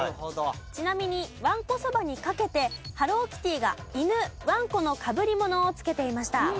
ちなみにわんこそばにかけてハローキティが犬ワンコのかぶりものをつけていました。